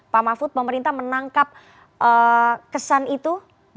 pak mahfud pemerintah menangkap kesan itu